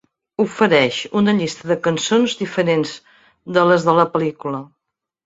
Ofereix una llista de cançons diferents de les de la pel·lícula.